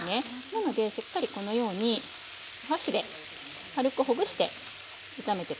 なのでしっかりこのようにお箸で軽くほぐして炒めて下さい。